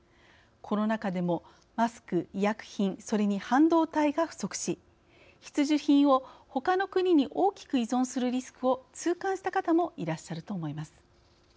コロナ禍でもマスク、医薬品半導体が不足し必需品をほかの国に大きく依存するリスクを痛感した方もいらっしゃると思います。